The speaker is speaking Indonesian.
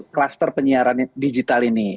cluster penyiaran digital